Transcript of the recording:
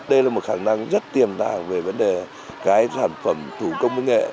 đây là một khả năng rất tiềm tàng về vấn đề cái sản phẩm thủ công với nghệ